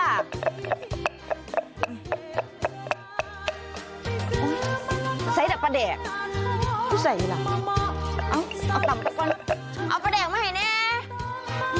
อุ้ยใส่แต่ปลาแดกไม่ใส่หรอเอาปลาแดกมาให้เนี่ย